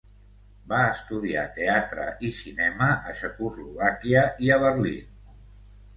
Va estudiar teatre i cinema a Txecoslovàquia i a Berlín.